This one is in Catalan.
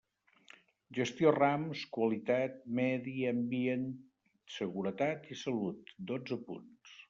Gestió Rams, qualitat, medi ambiente, seguretat i salut: dotze punts.